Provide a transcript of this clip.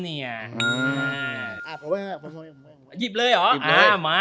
หยิบเลยเหรอ